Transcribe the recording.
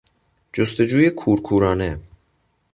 جستجوی کورکورانه